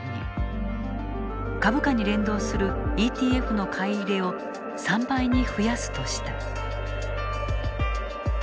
株価に連動するＥＴＦの買い入れを３倍に増やすとした。